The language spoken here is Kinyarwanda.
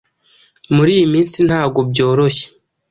muri iyi minsi ntabwo byoroshye